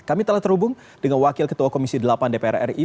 kami telah terhubung dengan wakil ketua komisi delapan dpr ri